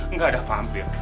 enggak ada vampir